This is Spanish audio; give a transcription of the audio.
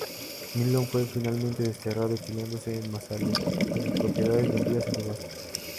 Milón fue finalmente desterrado, exiliándose en Massalia, y sus propiedades vendidas en subasta.